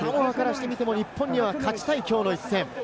サモアからしてみても、日本には勝ちたい、きょうの一戦。